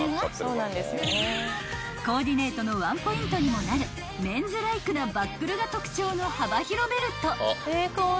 ［コーディネートのワンポイントにもなるメンズライクなバックルが特徴の幅広ベルト］